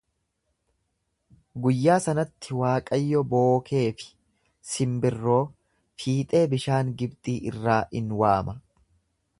Guyyaa sanatti Waaqayyo bookee fi simbiroo fiixee bishaan Gibxii irraa in waama.